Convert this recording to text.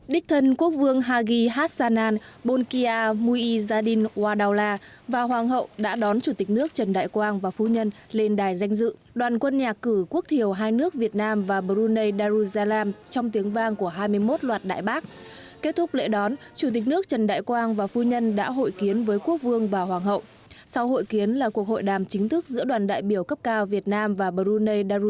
lệ đón chính thức chủ tịch nước trần đại quang và phu nhân đã được tổ chức trọng thể tại cung điện issanan nurun imad